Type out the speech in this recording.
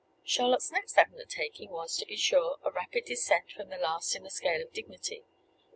Charlotte's next undertaking was, to be sure, a rapid descent from the last in the scale of dignity.